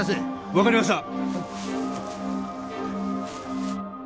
わかりました！